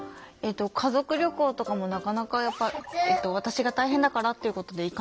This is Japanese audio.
家族旅行とかもなかなかやっぱ私が大変だからっていうことでそう